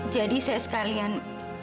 jadi saya sekalian